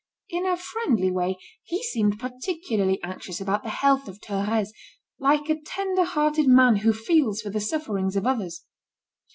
In a friendly way, he seemed particularly anxious about the health of Thérèse, like a tender hearted man who feels for the sufferings of others.